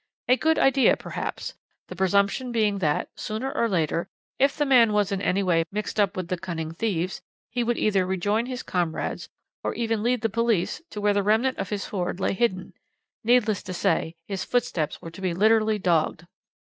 A good idea, perhaps the presumption being that, sooner or later, if the man was in any way mixed up with the cunning thieves, he would either rejoin his comrades or even lead the police to where the remnant of his hoard lay hidden; needless to say, his footsteps were to be literally dogged.